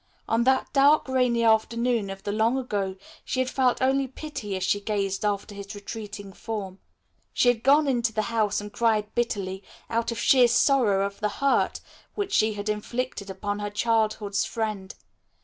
On that dark rainy afternoon of the long ago she had felt only pity as she gazed after his retreating form. She had gone into the house and cried bitterly, out of sheer sorrow of the hurt which she had inflicted upon her childhood's friend.